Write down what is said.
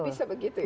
bisa begitu ya